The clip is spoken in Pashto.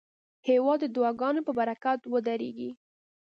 هېواد د دعاګانو په برکت ودریږي.